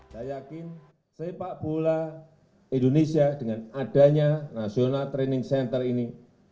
saya yakin sepak bola indonesia dengan adanya national training center ini